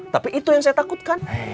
tapi itu yang saya takutkan